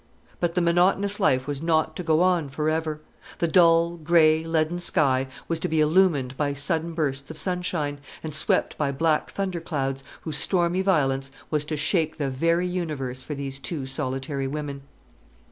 But the monotonous life was not to go on for ever. The dull, grey, leaden sky was to be illumined by sudden bursts of sunshine, and swept by black thunder clouds, whose stormy violence was to shake the very universe for these two solitary women.